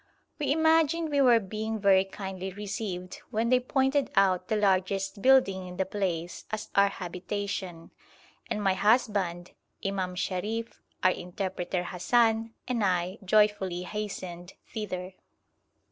We imagined we were being very kindly received when they pointed out the largest building in the place as our habitation, and my husband, Imam Sharif, our interpreter Hassan, and I joyfully hastened thither.